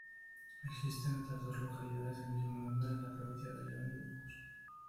Existen otras dos localidades del mismo nombre en las provincias de León y Burgos.